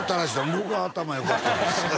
「僕は頭よかったです」